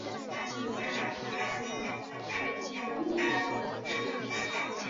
接近传感器通常发射电磁场或电磁辐射束并观察电场或返回信号的变化来实现功能。